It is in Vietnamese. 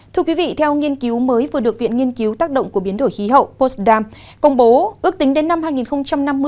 thưa quý vị theo nghiên cứu mới vừa được viện nghiên cứu tác động của biến đổi khí hậu postdam công bố ước tính đến năm hai nghìn năm mươi